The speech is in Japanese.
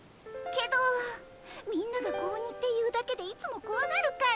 けどみんなが子鬼っていうだけでいつもこわがるから。